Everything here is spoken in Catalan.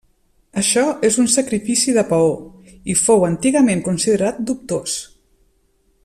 Això és un sacrifici de peó, i fou antigament considerat dubtós.